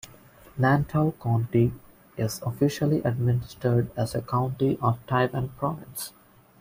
Nantou County is officially administered as a county of Taiwan Province.